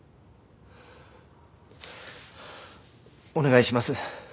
お願いします。